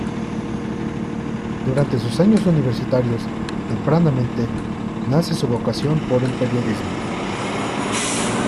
Durante sus años universitarios, tempranamente, nace su vocación por el periodismo.